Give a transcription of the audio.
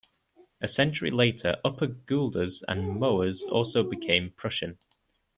A century later, Upper Guelders and Moers also became Prussian.